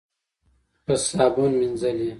په صابون مینځلې.